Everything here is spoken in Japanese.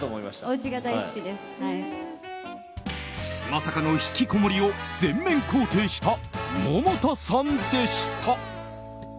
まさかのひきこもりを全面肯定した百田さんでした。